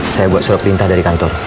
saya buat surat perintah dari kantor